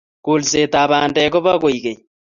kolsetap pandek ko po koekeny